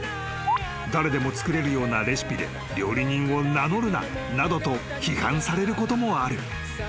［「誰でも作れるようなレシピで料理人を名乗るな」などと批判されることもある］